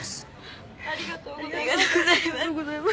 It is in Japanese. ありがとうございます。